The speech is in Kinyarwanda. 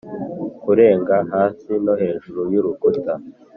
'kurenga hasi no hejuru y'urukuta.